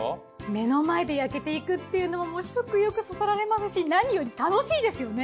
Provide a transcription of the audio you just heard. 目の前で焼けていくっていうのも食欲そそられますし何より楽しいですよね。